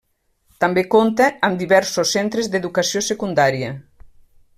També compta amb diversos centres d'educació secundària.